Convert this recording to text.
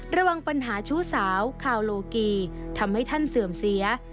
ระวังปัญหาชู้สาวคาวโลกีทำให้ท่านเสื่อมเสีย